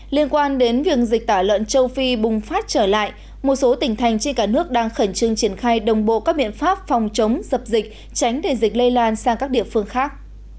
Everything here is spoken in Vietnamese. liên quan đến việc dịch tả lợn châu phi bùng phát trở lại một số tỉnh thành trên cả nước đang khẩn trương triển khai đồng bộ các biện pháp phòng chống dập dịch tránh để dịch lây lan sang các địa phương khác